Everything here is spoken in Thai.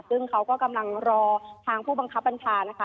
ซึ่งเขาก็กำลังรอทางผู้บังคับบัญชานะคะ